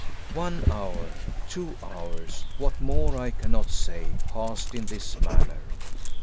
One hour, two hours what more I cannot say, passed in this manner.